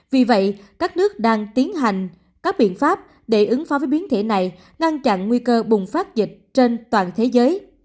vì vậy các nước đang tiến hành các biện pháp để ứng phó với biến thể này ngăn chặn nguy cơ bùng phát dịch trên toàn thế giới